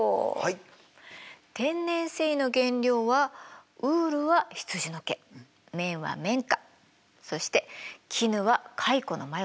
天然繊維の原料はウールは羊の毛綿は綿花そして絹は蚕の繭です。